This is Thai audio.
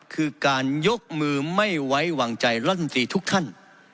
คือการยกมือไม่ไว้วางใจรัฐมนตรีทุกท่าน